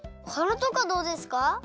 おはなとかどうですか？